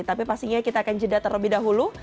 tapi pastinya kita akan jeda terlebih dahulu